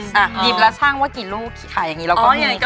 หยิบและช่างว่ากี่ลูกขายอย่างนี้เราก็มีค่ะ